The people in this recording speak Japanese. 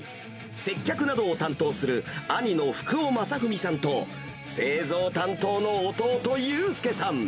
接客などを担当する兄の福尾真史さんと、製造担当の弟、悠介さん。